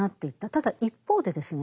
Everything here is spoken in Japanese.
ただ一方でですね